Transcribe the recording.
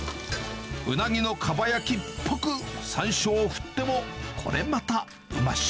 ウナギのかば焼きっぽく、さんしょうを振っても、これまたうまし。